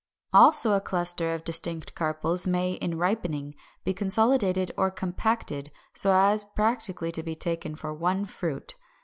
346. Also a cluster of distinct carpels may, in ripening, be consolidated or compacted, so as practically to be taken for one fruit.